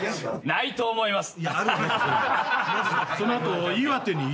ないと思います。